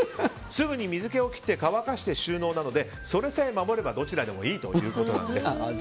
すぐに水気を切って乾かして収納なのでそれさえ守ればどちらでもいいということです。